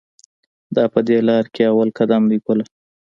دا په دې لار کې اول قدم دی ګله.